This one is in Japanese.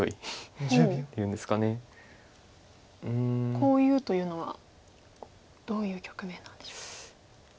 「こういう」というのはどういう局面なんでしょう。